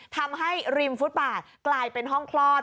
ทำให้ริมฟุตบาทกลายเป็นห้องคลอด